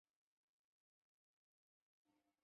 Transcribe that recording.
居住在不同县市